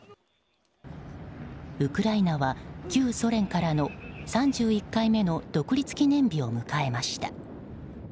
ウクライナは旧ソ連からの３１回目の独立記念日を迎えました。